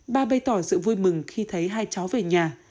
bà bày tỏ sự vui mừng khi thấy hai cháu về nhà